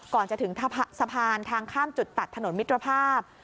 ก่อนจะถึงสะพานทางข้ามจุดตัดถนนมิตรภาพ